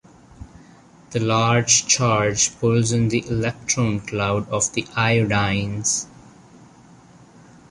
The large charge pulls on the electron cloud of the iodines.